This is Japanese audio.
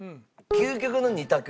究極の２択。